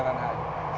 turun ini terasa